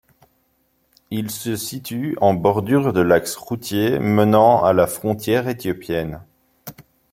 Il se situe en bordure de l'axe routier menant à la frontière éthiopienne.